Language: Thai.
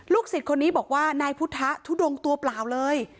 ศิษย์คนนี้บอกว่านายพุทธทุดงตัวเปล่าเลย